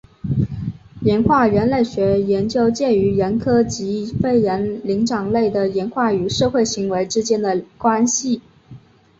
演化人类学研究介于人科及非人灵长类的演化与社会行为之间的关系。